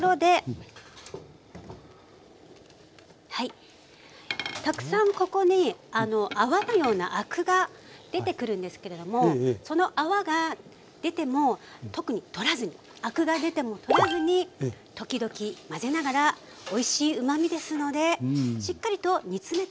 はいたくさんここにあの泡のようなアクが出てくるんですけれどもその泡が出ても特に取らずにアクが出ても取らずに時々混ぜながらおいしいうまみですのでしっかりと煮詰めていって下さい。